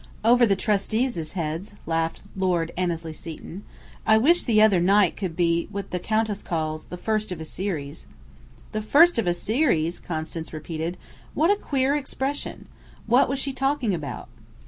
"Over the trustees' heads!" laughed Lord Annesley Seton. "I wish the other night could be what the Countess called the 'first of a series.'" "The first of a series!" Constance repeated. "What a queer expression! What was she talking about?"